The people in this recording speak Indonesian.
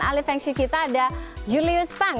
jadi fengshui kita ada julius pang